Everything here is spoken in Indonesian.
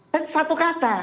dan satu kata